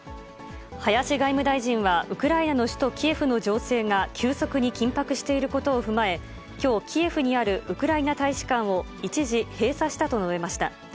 林外務大臣は、ウクライナの首都キエフの情勢が急速に緊迫していることを踏まえ、きょう、キエフにあるウクライナ大使館を一時閉鎖したと述べました。